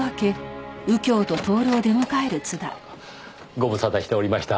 ご無沙汰しておりました。